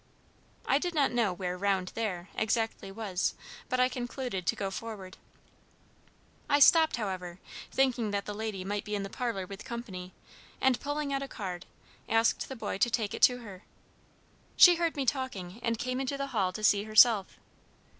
I did not know where "round there" exactly was, but I concluded to go forward. I stopped, however, thinking that the lady might be in the parlor with company; and pulling out a card, asked the boy to take it to her. She heard me talking, and came into the hall to see herself.